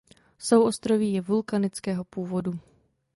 Souostroví je vulkanického původu.